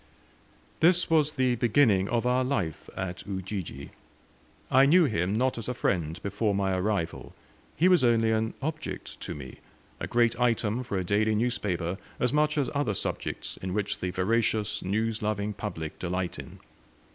This was the beginning of our life at Ujiji. I knew him not as a friend before my arrival. He was only an object to me a great item for a daily newspaper, as much as other subjects in which the voracious news loving public delight in.